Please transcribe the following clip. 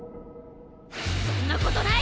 そんなことない！